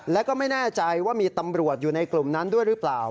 แล้วก็ไม่แน่ใจว่ามีตำรวจอยู่ในกลุ่มนั้นด้วยหรือเปล่า